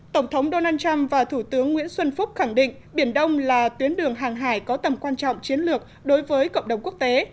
tổng thống donald trump và thủ tướng nguyễn xuân phúc khẳng định biển đông là tuyến đường hàng hải có tầm quan trọng chiến lược đối với cộng đồng quốc tế